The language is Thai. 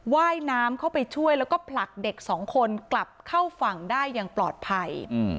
ว่ายน้ำเข้าไปช่วยแล้วก็ผลักเด็กสองคนกลับเข้าฝั่งได้อย่างปลอดภัย